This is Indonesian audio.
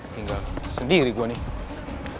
tinggal sendiri gue nih